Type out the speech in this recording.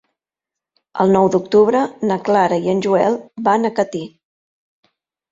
El nou d'octubre na Clara i en Joel van a Catí.